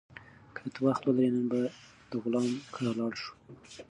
که ته وخت ولرې، نن به د غلام کره لاړ شو.